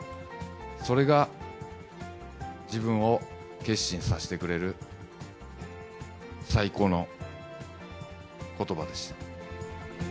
それが自分を決心させてくれる最高のことばでした。